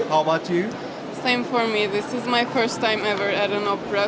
sama seperti saya ini adalah pertama kali saya bertemu dengan opera